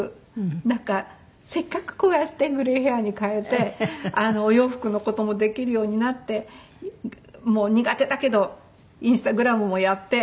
なんかせっかくこうやってグレーヘアに変えてお洋服の事もできるようになって苦手だけどインスタグラムもやって。